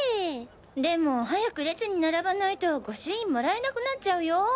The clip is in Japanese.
でも早く列に並ばないと御朱印もらえなくなっちゃうよ？